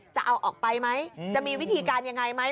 จะเอาออกไปไหมจะมีวิธีการยังไงไหม